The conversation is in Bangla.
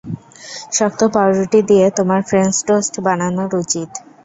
শক্ত পাউরুটি দিয়ে তোমার ফ্রেঞ্চ টোস্ট বানানোর উচিত।